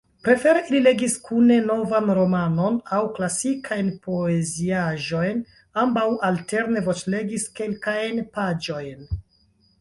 Prefere ili legis kune novan romanon aŭ klasikajn poeziaĵojn; ambaŭ alterne voĉlegis kelkajn paĝojn.